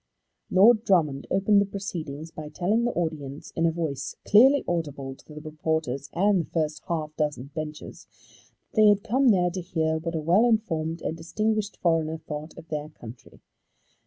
Lord Drummond opened the proceedings by telling the audience, in a voice clearly audible to the reporters and the first half dozen benches, that they had come there to hear what a well informed and distinguished foreigner thought of their country.